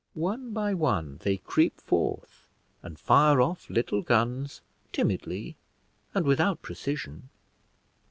One by one they creep forth, and fire off little guns timidly, and without precision.